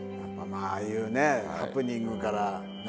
ああいうねハプニングからね。